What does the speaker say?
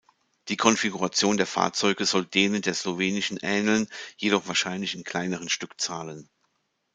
Die Konfiguration der Fahrzeuge soll denen der slowenischen ähneln, jedoch wahrscheinlich in kleineren Stückzahlen.